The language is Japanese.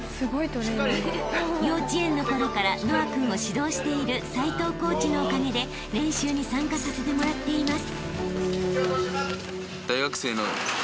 ［幼稚園のころから和青君を指導している齊藤コーチのおかげで練習に参加させてもらっています］